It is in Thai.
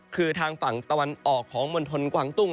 คือทางฝั่งตะวันออกของมณฑลกวางตุ้ง